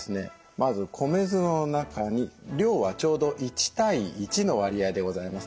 まず米酢の中に量はちょうど１対１の割合でございます。